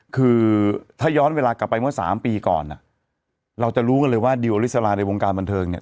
คือถ้าย้อนเวลากลับไปเมื่อ๓ปีก่อนเราจะรู้กันเลยว่าดิวอลิสราในวงการบันเทิงเนี่ย